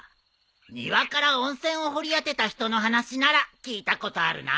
庭から温泉を掘り当てた人の話なら聞いたことあるな。